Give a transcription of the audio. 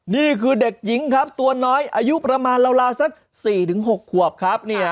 นี่คือเด็กหญิงครับตัวน้อยอายุประมาณราวสัก๔๖ขวบครับเนี่ย